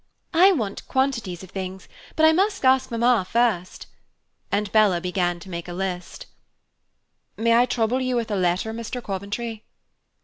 "I want quantities of things, but I must ask Mamma first." And Bella began to make a list. "May I trouble you with a letter, Mr. Coventry?"